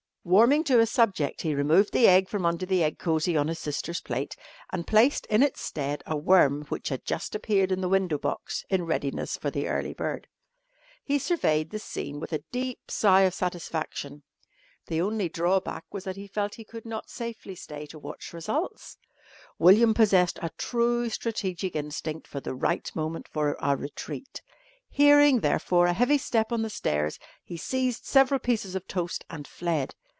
Warming to his subject he removed the egg from under the egg cosy on his sister's plate and placed in its stead a worm which had just appeared in the window box in readiness for the early bird. He surveyed the scene with a deep sigh of satisfaction. The only drawback was that he felt that he could not safely stay to watch results. William possessed a true strategic instinct for the right moment for a retreat. Hearing, therefore, a heavy step on the stairs, he seized several pieces of toast and fled.